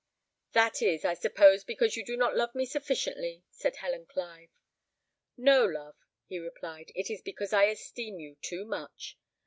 "That is, I suppose, because you do not love me sufficiently," said Helen Clive. "No, love," he replied, "it is because I esteem you too much."